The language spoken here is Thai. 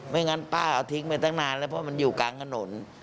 งั้นป้าเอาทิ้งไปตั้งนานแล้วเพราะมันอยู่กลางถนน